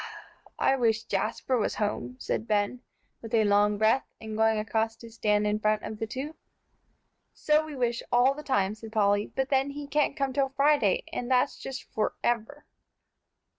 "I wish Jasper was home," said Ben, with a long breath, and going across to stand in front of the two. "So we wish all the time," said Polly, "but then, he can't come till Friday, and that's just forever."